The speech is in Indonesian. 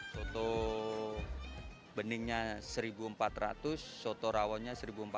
soto beningnya satu empat ratus soto rawonnya satu empat ratus